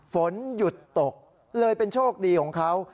ฝนหยุดตกเลยเป็นโชคดีของเขา